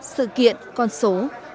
sự kiện con số